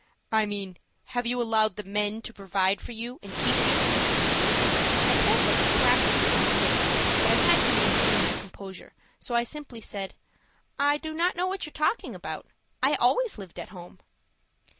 "I mean have you allowed the men to provide for you and keep you?" I felt like slapping him in the face, but I had to maintain my composure, so I simply said: "I do not know what you are talking about. I always lived at home."